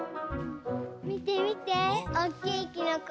みてみておっきいきのこかわいい！